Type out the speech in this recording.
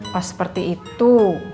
pas seperti itu